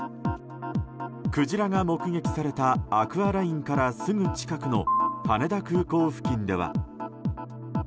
クジラが目撃されたアクアラインからすぐ近くの羽田空港付近では。